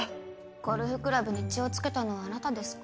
ゴルフクラブに血を付けたのはあなたですか？